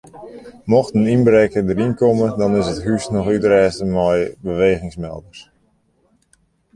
Mocht in ynbrekker deryn komme dan is it hús noch útrêste mei bewegingsmelders.